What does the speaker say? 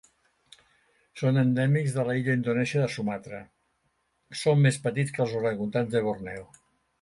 Són endèmics de l'illa indonèsia de Sumatra, són més petits que els orangutans de Borneo.